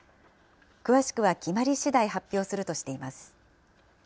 詳しくは決まりしだい、発表するとしています。